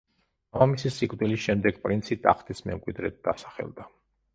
მამამისის სიკვდილის შემდეგ პრინცი ტახტის მემკვიდრედ დასახელდა.